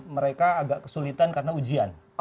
mereka agak kesulitan karena ujian